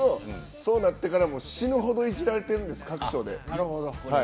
そうなってから死ぬ程いじられているんです各所で。